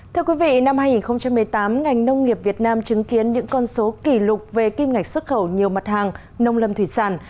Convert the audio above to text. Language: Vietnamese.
thưa quý vị năm hai nghìn một mươi tám ngành nông nghiệp việt nam chứng kiến những con số kỷ lục về kim ngạch xuất khẩu nhiều mặt hàng nông lâm thủy sản